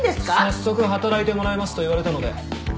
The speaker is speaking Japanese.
早速働いてもらいますと言われたので。